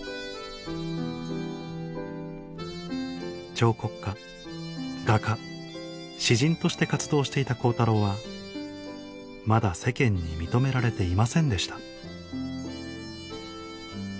彫刻家画家詩人として活動していた光太郎はまだ世間に認められていませんでした